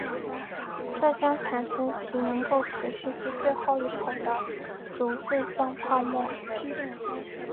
这将产生其能够持续至最后一口的乳脂状泡沫。